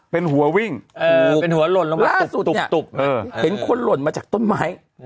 เป็นหัววิ่งเป็นหัวหล่นลงล่าสุดเห็นคนหล่นมาจากต้นไม้